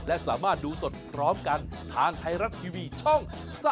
และสามารถดูสดพร้อมกันทางไทยรัฐทีวีช่อง๓๒